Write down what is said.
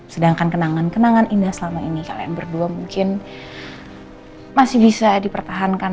sedangkan kenangan kenangan indah selama ini kalian berdua mungkin masih bisa dipertahankan